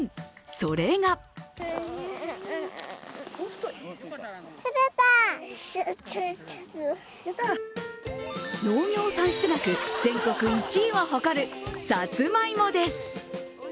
それが農業産出額全国１位を誇るさつまいもです。